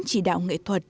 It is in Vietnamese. chỉ đạo nghệ thuật